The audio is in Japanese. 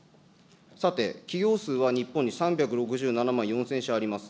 さて、企業数は日本に３６７万４０００社あります。